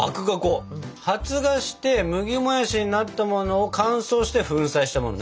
発芽して「麦もやし」になったものを乾燥して粉砕したものね？